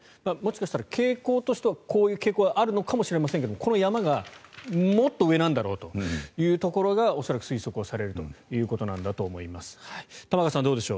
もしかしたら傾向としたらこういう傾向はあるのかもしれませんがこの山がもっとこうなんだろうということが推測されることだと思います。